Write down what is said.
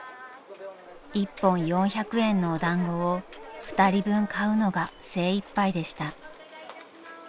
［１本４００円のお団子を２人分買うのが精いっぱいでした］